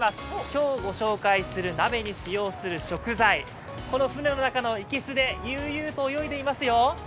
今日ご紹介する鍋の使用する食材、この船の中のいけすで悠々と泳いでいますよ。